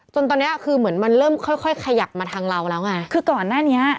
ตอนเนี้ยคือเหมือนมันเริ่มค่อยค่อยขยับมาทางเราแล้วไงคือก่อนหน้านี้